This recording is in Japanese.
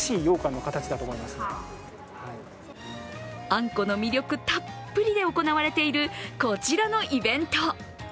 あんこの魅力たっぷりで行われているこちらのイベント。